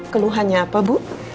keluhannya apa bu